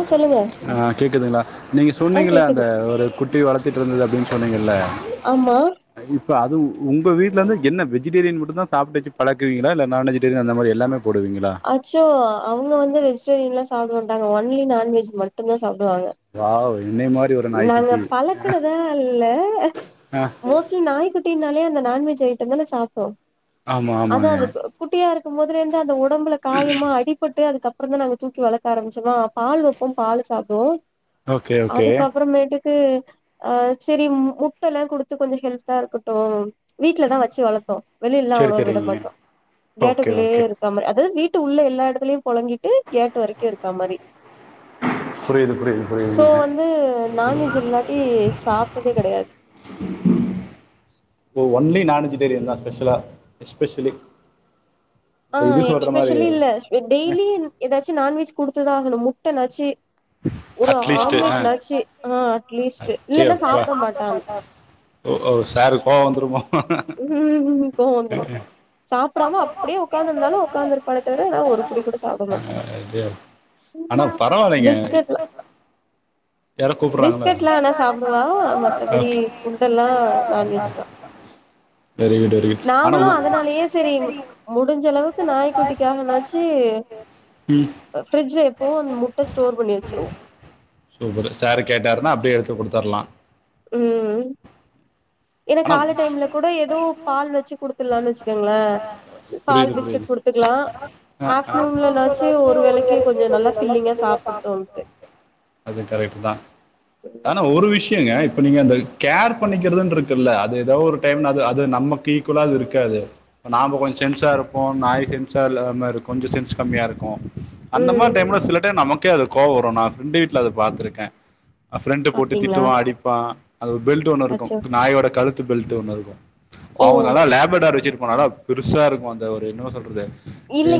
ஆ சொல்லுங்க ஆ கேக்குதுங்களா நீங்க ஆ சொன்னீங்கள அந்த கேக்குது ஒரு குட்டி வளர்த்துட்டு இருந்தது அப்படின்னு சொன்னிங்கள்ல்ல ஆமா இப்ப அது உங்க வீட்ல ருந்து என்ன வெஜிடேரியன் மட்ட தான் சாப்ட்டுச்ச பழக்கீங்கள இல்ல நான் வெஜிடேரியன் அந்த மாரி எல்லாமே போடுவீங்களா அச்சோ அவங்க வந்து வெஜிடேரியன் எல்லாம் சாப்ட ஒன்லி நான்வெஜ் மட்டுும்ே சாப்டுவாங்க வாவ் என்னை மாதிரி ஒரு நாங்க நாய்க்குட்டி பழக்கறதா இல்ல ஆ மோஸ்ட்லி நாய்க்குட்டினால அந்த நான் வெஜ் ஐட்டம் தான் சாப்போம் ஆமாம் அதான் ஆமாங்க அதுக்கு குட்டியா இருக் முதல்ல இருந்து அந்த ஒ உடம்புல காயமா அடிபட்டு அதுக்கப்புற அப்புறம்தான் நாங்க தூக்கி வளக்க ஆரபிச்சோம்மா பால் வப்போம் பால் சாப்டும் ஓகே ஓகே க்கு ஆ சரி முட்டை எல்லா கொடுத்து கொஞ்சம் ஹெல்தா இருக்கட்டும் வீட்லதான் வச்சு வளர்த்தோ வெளியிலல்லாம் சரி அவ்ளோ விட சரிங்க மாட்டோ ஓகே கேட்டுக்குள்ளேயே ஓகே இருக்க மாதிரி அதாவது வீட்டு டு உள்ள எல்லா இடத்திலயும் புழங்கிட்டு கேட்டு வரைக்கு இருக்க மாரி புரியுது புரியுது புரியுதுங்க அது நான்வெஜ் இல்லாட்டி சாப்ட்டதே கிடையாது ஜிடேரியன் தா பெஷ்ஷலா எஸ்பெஷ்ஷலி ஆ எக்ஸ்பெஷலி இல்ல ஸ் டெய்லின் எதாச்சு நான்வெஜ் குடுத்துதா ஆகணு முட்ட நாச்சி அட்லீஸ்ட்டு அ ஆ அட்லீஸ்ட் அடே இல்லன்னா அப்பா சாப்ட மாட்டான் ஓ ஓ சாருக் கோவ் வந்துருமோ கோவ் வந்துரு சாப்படாம அப்டியே உக்காந்துருந்தாலு உக்காந்துருப்பானே தவிர ஆனா ஒரு புடி கூட சாப்ட மாட்டா அடே பிஸ்கெட்லா பிஸ்கெட்லா ஆனா சாப்டுவா மத்தபடி ஃபுட் எல்லா நான்வெஜ் தா நாங்குளு அதனாலயே செரி முடிஞ்சளவுக்கு நாய்க்குட்டிக்காகனாச்சி ம் அ ஃப்ரிட்ஜ்ல எப்பவு அந் முட்ட ஸ்டோர் பண்ணி வெச்சிருவோ சூப்பரு சாரு கேட்டாருன்னா அப்டே எடுத்து குடுத்தர்லா ம் ஏனா ஆனா இந்த கால்ல டைம்ல கூட எதோ பால் வெச்சி குடுத்தர்லான் வெச்சி புரிது புரிது குடுத்துக்கலா அ அ ஆஃப்டர்நூன்லனாச்சு ஒரு வேளைக்கு கொஞ்சோ நல்லா ஃபில்லிங்கா சாப்புட்டோன்ட்டு அது கரெட்டு தா ஆனா ஒரு விஷ்யங்க இப்ப நீங்க அந்த கேர் பண்ணிக்கிறதுன்ட்ருக்குல்ல அது எதோ ஒரு டைம்ல அது அது நமக்கு ஈக்குவலா அது இருக்காது ப்ப நாம்ப கொஞ் சென்ஸா இருப்போ நாய் சென்ஸா இல்லாம இரு கொஞ்சோ சென்ஸ் கம்மியாருக்கு அந்த ம் மார் டைம்ல சில டைம் நம க்கு அதுக் கோவ் வரு நா ஃப்ரெண்டு வீட்ல அத பாத்துருக்கே அ ஃப்ரெண்டு போட்டு அப்டிங்களா திட்டுவா அடிப்பா அது ஒ பெல்ட் ஒன்னு இருக்கும் அச்சோ நாயோட கழு த்து பெல்ட்டு ஒன்னு இருக்கு ஓ அவுங்க நல்லா லேபர் [unintelligible] வெச்சிட்ரு [unintelligible] பெருசா இருக்கு அந்த ஒரு என்னவ சொல்றது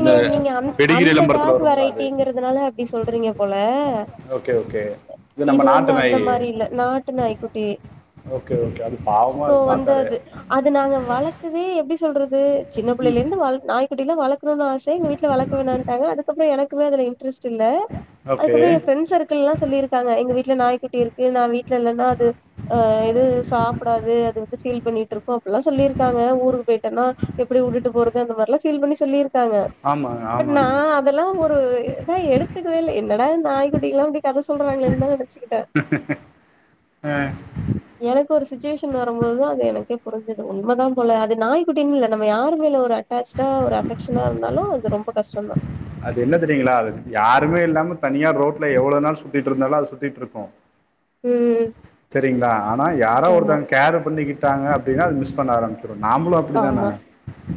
இந்த நீங்க அந் பெடிகிரி அந்த விளம்பரத்துல டாக் வரும்ல அது வெரைட்டிங்கிறதுனால அப்டி சொல்றீங்க போல ஓகே ஓகே நம்ம இது வந்து நாட்டு அந்த நாய் மாரி இல்ல நாட்டு நாய் குட்டி ஓகே ஓகே அது பாவமாக சோ இருக்கும் வந்து பார்த்தாலே அது அது நாங்க வளத்ததே எப்டி ஸ் சொல்றது சின்ன பிள்ளைலிந்து வள் நாய் ப்டில்லா வள குணுன் ஆசை எங்க வீட்ல வளக்க வேணான்டாங்க அதுக்கப்புறோ என க்குமே அதுல இன்ட்ரெஸ் டில்ல ஓகே அதுக்கப்புற எ ஃப்ரெண் சர்க்கிள்லா சொல்லிருக்காங்க எங்க வீட்ல நாய்குட்டி இருக்கு நா வீட்ல இல்லன்னா அது அ எது சாப்படாது அது வந்து ஃபீல் பண்ணிட்ருக்கூ அப்பல்லா சொல்லிருக்காங்க ஊருக்கு போயிட்டன்னா எப்டி உட்டுட்டு போறது அந்த மார்ல்லா ஃபீல் பண்ணி சொல்லிரு காங்க ஆமாங்க பட் நா ஆமாங்க அதல்லா ஒரு இதா எடுத்துக்கவே இல்ல என்னடா இது நாய் குட்டிகல்லா இப்டி கத சொல்றாங்ளேன் தா நெனைச்சுக்கிட்டே எனக்கு ஒரு சுச்சுவேஷன் வரம்போதுதா அது எனக்கே இது உண்மதாம் போல அது நாய்கு இங் இல்ல நம்ம யாரு மேல ஒரு அட்டாச்ச்டா ஒரு அஃபக் ஷனா இருந்தாலு அது ரொம்ப கஷ்டோந்தா அது என்ன தெரியுங்களா அது யாருமே இல்லாம தனியா ரோட்ல எவ்வளோ நாள் சுத்திட்ருந்தாலும் அது சுத்திட்ருக்கு ம் செரிங்களா ஆனா யாரா ஆமா ஒருத்தங்க கேரு பண்ணிக்கிட் டாங்க அப்டின்னா அது மிஸ் பண்ண ஆரம் நாமளு அப்டிதான ஆமா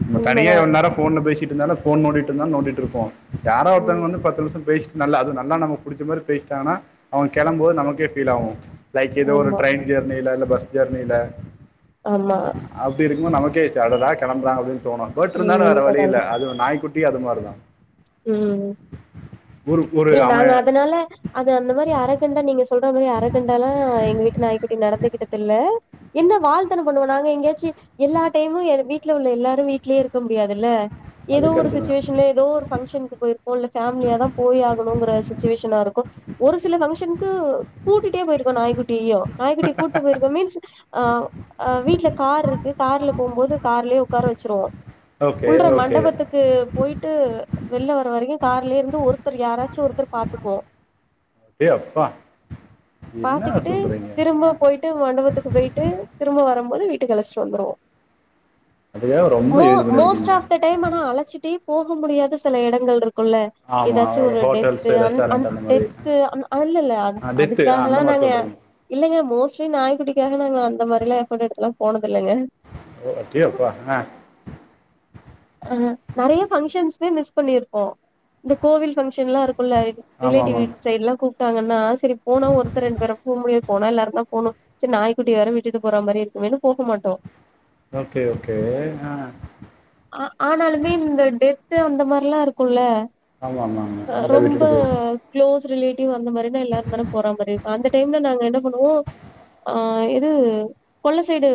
நம்ம தனியா உண்மதா எவுள் நேரோ ஃபோன்ல பேசி இருந்தாலு ஃபோன் நோன்டிட்டுந்தான நோன்டிட்ருப்போ யாரோ ஒருத்தங்க ம் வந்து பத்து நிம்ஷோ பேசி நல்லா அது நல்லா நம்ம புடிச்ச மாரி பேசிட்டாங்கன்னா அவங் கெளம் போது நமக்கே ஃபீல் ஆகு லைக் எதோ ஒரு ஆமா ட்ரைன் ஜேர்னி ல இல்ல பஸ் ஜெர்னில ஆமா குமோ நமக்கே அததா கெளம்பறாங்கப்டின் தோணு ம் பட்ருந்தாலு வேற வழி உண்மதாங்க இல்ல அதுவு நாய் குட் அது மாரிதா உம் ஒரு இல்ல அவன் நாங்க அதனால அது அந்த மாரி அரகன்டா நீங்க சொல் ற மாரி அறக்கண்டாலா எங்க வீட்டு நாய்க்குட்டி நடந்து கிட்டதில்ல என்ன வாழ்த்தன பண்ணுவோ நாங்க எங்கயாச்சு எல்லா டைமு எ வீட்ல உள்ள எல்லாரு வீடலியே இருக்க முடியாதுல்ல அது எதோ ஒரு கரெக்டு தான் சிட்டுவேஷன்ல எதோ ஒரு ஃபங்க்ஷன்க்கு போயிருப்போ இல்ல ஃபேமிலியா தா போயாக் னுங்ற சிட்டுவேஷனாருக் போ ஒரு சில ஃபங்க்ஷன்க்கு கூட்டிட்டே போயிருக்கோ நாய்குட்டிய்யு நாய்குட்டி கூட்டு போயிருக்கோ மீன்ஸ் ஆஹ் அ வீட்ல கார்ருக்கு கார்ல போம்போது கார்லயே உக்கார வெச்சுருவோ ஓகே உள்ற ஓகே மண்டபத்துக்கு போய்ட்டு வெள்ல வர வரைக்கு கார்லே இருந்து ஒருத்தர் யாரா ச்சு ஒருத்தர் பாத்துக்கோ டே அப்பா என்ன பாத்துக்கிட்டு சொல்றீங்க திரும்ப போய்ட்டு மண்டபத்துக்கு போய்ட்டு திரும்ப வரம்போது வீ ட்டுகலச்ட்டு வந்துருவோ அதுக்காக ரொம்ப மோ இது மோஸ்ட் பண்ணியிருக்கீங்க ஆஃப் த டைம் ஆனா அழச்சுட்டே போக முடியாத சில எடங்கள்ருக் குள்ள ஆமா எதாச்சு ஒரு ஹோட்டல்ஸ் டெத்து அன் அன் ரெஸ்டாரண்ட் அந்த மாதிரி டெத்து அன் அல்லில்ல அதுக் டெத்து ஆ க்காங்கலா அந்த மாதிரி அல்லது சொல்றீங்க இல்லல்ல மோ ஸ்ட்லி நாய் குட்டிக்காக நாங்க அந்த மாரிலா கூட்டிட்லா போனும் ஓகே ப அ எனா நெறைய ஃபங்கஷன்ஸ்கு மிஸ் பண்ணிருப்போ இந்த கோவில் ஃபங்கஷன்லா இரு க்குல ஆமா ரிலேட்டிவ் ஆமா வீட் சைட்லா கூ ப்டாங்கன்னா சரி போனா ஒருத்த ரெண்டு பேரா போ முடியு போனா எல்லாரு தா போணு சரி நாய் குட்டி வேற விட்டுட்டு போற மாரி இருக்குமேன்னு போக மாட்டோ ஓகே ஓகே ஆ அ ஆனாலுமே இந்த டெத்து அந்த மாரில்லா இருக்குல ஆமா ஆமா ஆமா அ அங்கே ரொம்ப விட்டுட்டு போயிடும் க்ளோ ரிலே டிவ் அந்த மாரிதா எல்லாருந்தானே போற மாரி கு அந்த டைம்ல நாங்க என்ன பண்ணுவோ ஆ இது கொள்ள சைடு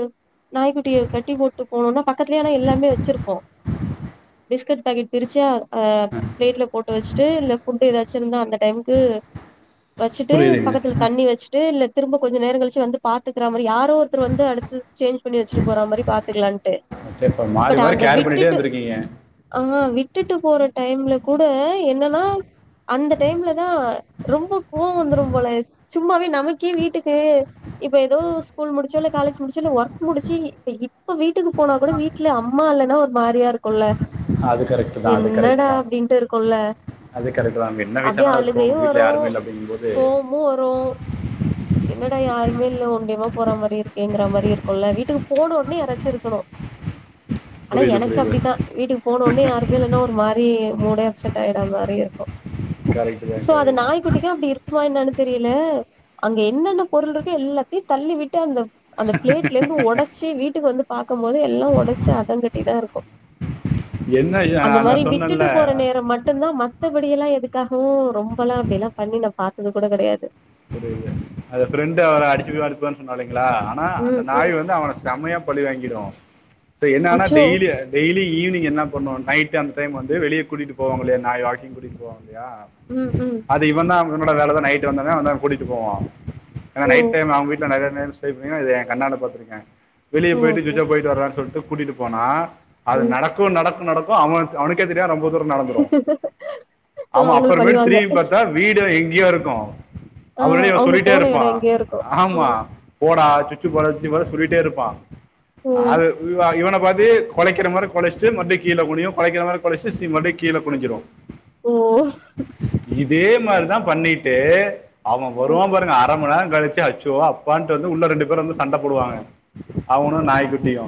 நாய்க்குட்டிய கட்டி போட்டு போனோனா பக்கத்துலயே ஆனா எல்லாமே வெச்சிருப் போ பிஸ்கட் பாக்கெட் பிரிச்சா ஆ பிளேட்ல போட்டு வச்சுட்டு இல்ல ஃபுட்டு ஏதாச்சு இருந்தா அந்த டைம்க்கு வச்சுட்டு புரியுதுங்க பக்கத்துல தண்ணி வச்சுட்டு இல்ல திரும்ப கொஞ்ச நேரங்களிச்சு வந்து பாத்துக்குற மாரி யாரோ ஒருத்தர் வந்து அடுத்து சேஞ் பண்ணி வெச்சிட்டு போற மாரி பாத்துக்குலான்ட்டு ஓகே இப்ப மாறி மாறி கேர் பண்ணிட்டே இருந்துருக்கீங்க ஆ விட்டுட்டு போற டைம்ல கூட என்னன்னா அந்த டைம்ல தா ரொம்ப கோவொ வந்துரு போல சும்மாவே நமக்கே வீட்டுக்கு இப்ப ஏதோ ஸ்கூல் முடிச்சோ காலேஜ் முடிச்சோ இல்ல ஒர்க் முடிச்சு இ இப்ப வீட்டுக்கு போனா கூட வீட்ல அம்மா இல்ல ன்ன ஒரு மாரியா இருக்குல்ல அது கரெக்ட் தான் அது என்னடா கரெக்ட் தான் அப்டின்ட்டு இருக்குல்ல அது கரெக்ட் தான் என்ன அப்டியே வயசானாலும் அது அழுகையு தோணும் வீட்டில் வரு யாருமே இல்லை அப்படிங்கும்போது கோவமு வரு என்னடா யாரு வெல்ல ஒண்டியும்மா போற மாரி இருக்கேங்குற மாரி இருக்குல்ல வீட்டுக்கு போன ஒன்னே யாராச்சு இருக்கணு ஆனா புரியுது எனக்கு புரியுது அப்டித்தா வீட்டுக்கு போன ஒட்னே யாருமே இல்லன்னா ஒரு மாரி மூடே அப்செட் ஆயிற மாரி இருக்கு கரெக்ட் தான் சோ அது கரெக்ட் தான் நாய் குட்டிக்கு அப்டி இருக்குமா இன்னான்னு தெரியல அங்க என்னென்ன பொருள்ருக்கு எல்லாத்தையு தள்ளி விட்டு அந்த அந்த பிளேட்ல இருந்து ஒடச்சு வீட்டுக்கு வந்து பாக்கம்போது போது எல்லா ஒடச்சு அ ம்புட்டு இதா இருக்கு என்ன அந்த ஆஹ் மாரி நான் சொன்னேன்ல விட்டுட்டு போற நேர மட்டும்தா மத்தபடி எல்லா எது க்காகவு ரொம்பல்லா அப்டியெல்லா பண்ணி நா பாத்தது கூட கெடையாது புரியுது அது ஃப்ரெண்டு அவன அடிச்சு அனுப்புவன்னு சொன்னாலை ங்களா ஆனா அந்த ம் ம் நாய் வந்து அவன செமயா பழி வாங்கிடும் சோ என்னான்னா அச்சோ டெய்லி அ டெய்லி ஈவினி்ங் என்னா பண்ணும் நைட் அன்டைம் வந்து வெளியே கூட்டிட்டு போவாங்க இல்லையா நாய் வாக்கிங் கூட்டிட்டு போவாங் இல்லையா ம் ம் அது இவன் தா இவனோட வேல தா நைட்டு வந்தவன் வந்தம் கூட்டிட்டு போவான் ஏன்னா ஓ நைட் டைம் அவுங்க வீட்ல நறையா [unintelligible] இது ஏன் கண்ணால பாத்திருக்கேன் வெளிய ஓ! போயிட்டு ஓகே சுச்ஜா போயிட்டு வரான் சொல்ட்டு கூட்டிட்டு போனா அது நடக்கும் நடக்கும் நடக் கு அவன்க்கு அவனுக்கே தெரியாத் ரொம்போ தூர நடந்துரு ம் ஓ அவ அவங்கள அப்பறமேட்டு பழிவாங்க திரும்பி பாத்தா வீடு எங் யோ இருக்கு ஆ அவுரெடி இவ அவங்க சொல்லிட்டே போன இருப்பா எடோ எங்கேயோ இருக்கு ஆமா ம் போடா சுச்சு போ ற சொல்லிட்டே இருப்பா ம் அது இ இவன மறுடி கொலைக்கற மாரி கொலச்ட்டு மறுடி கீழ குனியு கொலைக்கிற மாரி கொலைச்ட்டு சீக் மறுவடி கீழ குனிஞ்சிரு ஓ இதே மாரிதா பண்ணிட்டு அவங்க ம் வருவா பாருங்க அர மண் நேர கழிச்சி அச்சோ அப்பான்ட்டு வந்து உள்ள ரெண்டு பேரு வந்து சண்ட போடுவாங்க அவுனு நாய்க்குட்டியு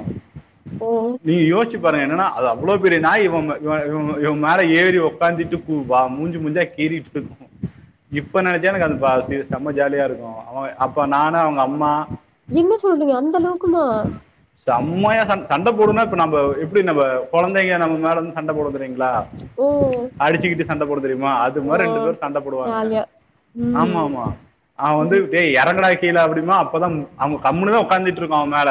ஓ நீங்க யோசிச்சு பாருங்க என்னனா அது அவ்ளோ பெரிய நாயி இவ மே இவ இவ் மே இவ மேல ஏறி ஒக்காந்திட்டு பு வா மூஞ்சி மூஞ்சா கீறிட்டு இருக்கு இப்ப நெனச்சா எனக் அது ப்பா சி செம்ம ஜாலியா இருக்கு அவ அப்ப நானு அவங்கம்மா என்ன சொல்றீங்க அந்த அளவுக்குமா செம்மயா சண் சண்ட போடுனா இப்போ நம்ம எப்புடி நம்ப கொழந்தைங்க நம்ம மேல வந்து சண்ட போடு தெரிங்ளா ஓ சண்ட போடுங் தெரிமா அது ஓ மாரி ரெண்டு பேரு சண்ட போடுவாங்க ஜாலியா ம் ஆமாமா அவ வந்து ம் டே எறங் குடா கீழ அப்டிம்பா அப்பதா அங்க கம்முனுதா ஒக்காந்திட்ருக்கு அவ மேல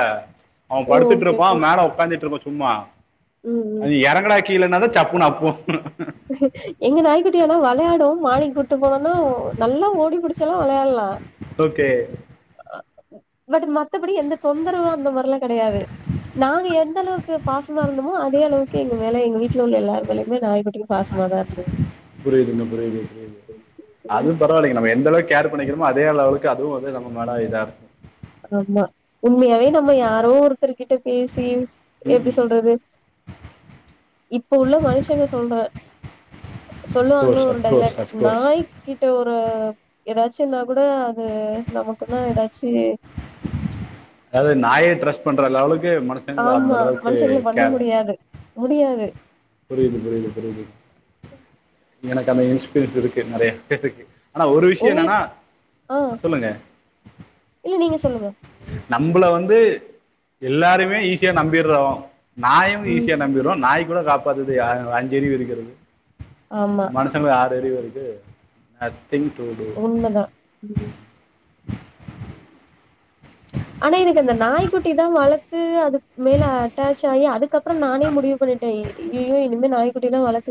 அவ ஓ ஓகே படுத்துட்ருப்பா ஓகே மேல உக்காந்துட்ருக்கு சு ம்மா ம் ம் அது எறங்குடா கீழனாதா சப்புனு அப்பு எங்க நாய்க்குட்டியானா வெளையாடும் மாடிக் கூட்டு போனன்னா நல்லா ஓடி புடிச்சல்லா வெளையாட்லா ஓகே [unintelligible] பட் மத்தபடி எந்த தொந்தரவு அந்த மாரிலா கெடையாது நாங்க எந்த அளவுக்கு பாசமா இருந்தோமோ அதே அளவுக்கு எங்க மேல எங்க வீட்ல உள்ள எல்லா ரு மேலயுமே நாய்க்குட்டிங்க புரிய்துங்க புரிய்து புரிய்து ம் அதும் பரவால்லிங்க நம்ம எந்தளவ்க் கேர் பண்ணிக்கிறோமோ அதே லெவளுக்கு அதுவும் வந்து நம்ம மேல இதா இருக் ஆம்மா உண்மையாவே நம்ம யாரோ ஒருத்தர் கிட்ட பேசி எப்டி ம் சொல்றது இப்ப உள்ள மனுஷங்க சொல்ற சொல்லுவாங்கள அஃப்கோர்ஸ் ஒரு அஃப்கோர்ஸ் டைலாக் அஃப்கோர்ஸ் நாய்க்கிட்ட ஒ ரு எதாச்சின்னா கூட அது நமக்குன்னா எதாச்சி அது நாயே ட்ரெஸ்ட் பண்ற லெவளுக் கு மனுஷங்கள அந்த ஆமா அளவுக்கு மனுஷங்கள பண்ண கேர் முடியாது முடியாது புரிய்து புரிய்து புரிய்து எனக்கு அந்த இன்ஸ்பிரிஸ் இருக் கு நறையா ஆனா ஒரு விஷயோ என்னன்னா உங்களுக்கு ஆ அ சொல்லுங்க இல்ல நீங்க சொல்லுங்க நம்பள வந்து எல்லாருமே ஈஸியா நம்பிறோ நாயும் ம் ஈஸியா நம்பிறோ நாய் கூட காப் பாத்தது யா ஓ அஞ்சறிவு இருக்குறது ஆமா மனுஷங்களுக் ஆறறிவு இது ஆஸ் உண்ம தா ம் ஆனா எனக்கு அந்த நாய்க்குட்டி தா வளத்து அது மேல அட்டாச் ஆகி அதுக் கப்புறம் நானே முடிவு பண்ணிட்டே இ ஐய்யய்யோ இனிமே நாய்குட்டில்லா வளக்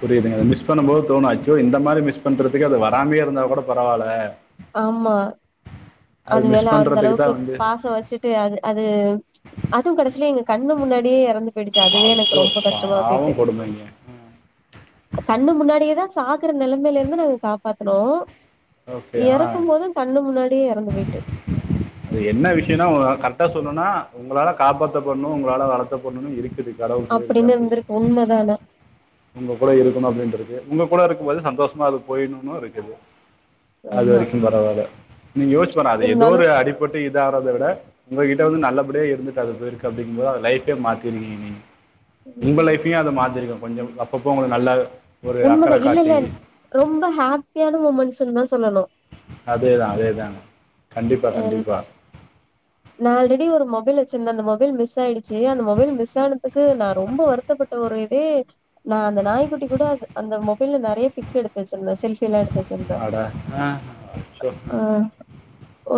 புரியுதுங்க மிஸ் பண்ணும் போது தோணும் ஆ யோ இந்த மாரி மிஸ் பண்றதுக்கு அது வராமே இருந்தா கூட பரவால்ல ஆமா அது மிஸ் மேல அந்த பண்றதுக்கு அளவுக்கு தான் வந்து பாசோ வச்சுட்டு அது அது அதுவும் கடைசில எங்க கண்ணு முன்னாடியே எறந்து போயிடுச்சு அதுவே எனக்கு அச்சோ ரொம்ப கஷ்டமா போயிட்டு பாவம் கொடுமைங்க அ கண்ணு முன்னாடியே தா ஸ் சாகுற நெலமையில இருந்து நாங்க காப்பாத்துனோ ஓகே ஆனா எறக்கும் போது கண்ணு முன்னாடியே எறந்து போயிட்டு அது என்ன விஷயனா உ கரெக்டா சொல்னுனா உங்களால காப்பாத்த படணு உங்களால வளத்த படணுன் இருக்குது கடவுள் புண்யத்துல அப்படின்னு அப்டி இருந்திருக்கு உண்மதா ஆனா உங்க கூட இருக்கணு அப்டின்ட்ருக்கு உங்க கூட இருக்கும் போது சந்தோஷமா அது போயிடணுன்னு இருக்குது அது ஆமா வரைக்கு பரவால நீ யோசிச் பாரு அது எதோ இருந்தாலு ஒரு அடிபட்டு இதாகறத விட உங்க கிட்ட வந்து நல்லபடியா இருந்துட்டு அது போயிருக்கு அப்டிங்கும்போது அது லைஃபே மாத்திருக்கிங்க நீங்க உங்க ம் லைஃபயு அது மாத்திருக்கு கொஞ்சம் அப்பப்போ உங்களுக்கு நல்லவே உண்மதா இல்ல இல்ல ரொம்ப ஹாப்பியான மூமெண்ட்ஸ்ன்னு தான் சொல்லணும் அதேதான் அதேதான் என் நான் ஆல்ரெடி ஒரு மொபைல் சின் அந்த மொபைல் மிஸ் ஆயிடுச்சு அந்த மொபைல் மிஸ் ஆனதுக்கு நான் ரொம்ப வருத்தப்பட்ட ஒரு இதே நான் அந்த நாய்குட்டி கூட அது அந்த மொபைல்ல நறைய பிக் எடுத்தே சின்ன செல்ஃபி எல்லா எடுத் அட அ அச்சோ அ ஆ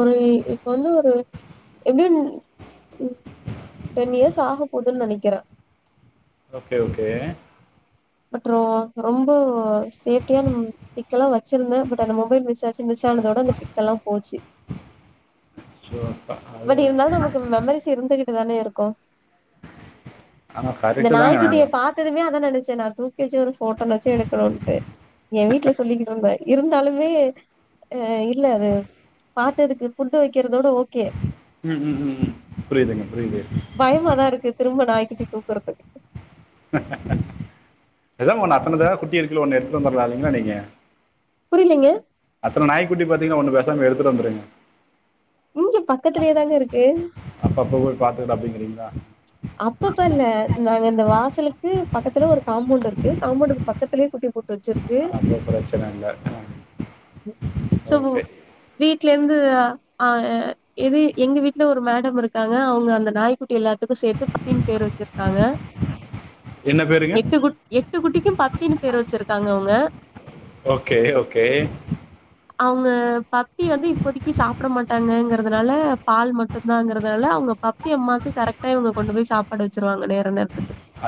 [unintelligible] இப்ப வந்து ஒரு எப்டின் டென் இயர்ஸ் ஆக போகுதுன்னு நெனைக்கிறேன் ஓகே ஓகே அப்புறோ ரொம்போ சேஃப்டியா அதும் பிக் எல்லா வச்சிருந்தே பட் அந்த மொபைல் மிஸ் ஆச்சு மிஸ் ஆனதோட அந்த பிக்ஸ் எல்லா போச்சு ஸோ அது பட் இருந்தாலும் நமக்கு மெமரிஸ் இருந்துகுட் இத்தானே இருக்கும் ஆனால் இந்த கரெக்டு தாங்க நாய்க்குட்டிய நாங்கள் பாத்ததுமே அதான் நெனைச்சேன் நான் [unintelligible] ஒரு ஃபோட்டோ நெனச்சு எடுக்கணுன்ட்டு என் வீட்ல சொல்கிட்டு இருந்தேன் இருந்தாலுமே அ இல்ல அது பாத்ததுக்கு ஃபுட்டு வைக்கிறதோட ஓகே ம் ம் ம் ம் புரிதுங்க புரிது தூக்கறதுக்கு அதா உங்க அத்தனை தா குட்டி இருக்குல ஒன்னு எடுத்துட்டு வந்துரலாலிங்க நீங்க புரிலிங்க அத்தன நாய்க்குட்டி பாத்திங்கல ஒண்ணு பேசாம எடுத்துட்டு வந்துருங்க இங்க பக்கத்துலயே தாங்க இருக்கு அப்பப்போ போய் பார்த்துக்கிட அப்படிங்கிறீங்களா அப்பப்ப இல்ல நாங்க இந்த வாசலுக்கு பக்கத்துல ஒரு காம்பவுண்ட் இருக்கு காம்பவுண்டுக்கு பக்கத்திலயே குட்டி போட் வெச்சிருக்கு அப்போ பிரச்சனை இல்லை சோ ஓகே வீட்ல வந்து அ எது எங்க வீட்ல ஒரு மேடம் இருக்காங்க அவங்க அந்த நாய்க்குட்டி எல்லாத்துக்கு சே பதின் பேர் வெச்சிருக்காங்க என்ன பேருங்க எட்டு குட் எட்டு குட்டிக்கு பத்தின் பேர் வெச்சிருக்காங்க அவுங்க ஓகே ஓகே அவுங்க ப பத்தி வந்து இப்பொதைக்கு சாப்ட மாட் டாங்கங்கறதுனால பால் மட்டுந்தாங்கறதுனால அவுங்க பப்பி அம்மாக்கு கரெக்டா இவுங்க கொண்டு போய் சாப்பாடு வச்சிருவாங்க நேர நேரத்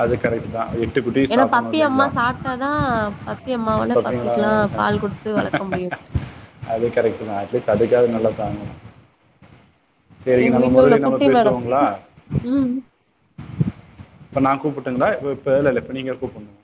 அது கரெக்டு தா எட்டு குட்டியு சாப்படணு பப்பி அம்மா இல்லைங்ளா சாப்ட்டா தான், பப்பி அம்மாவால ஓகேங்ளா பப்பிக்கலாம் பால் குடுத்து வளக்க முடியும். [inaudible] அது கரெக்ட் தா அட்லீஸ்ட் அதுக்காது நல்லா தாங்கணு சரிங்க எங்க நம்ம வீட்ல முரளி உள்ள நம்ம குட்டி மேடம். பேசுவோங்ளா ம். இப்ப நா கூப்புட்டுங்ளா இப்ப இல்ல இல்ல இப்ப நீங்க கூப்படனு